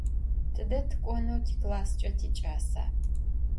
Tıde tık'oneu tiklassç'e tiç'asa?